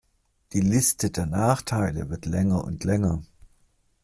Die Liste der Nachteile wird länger und länger.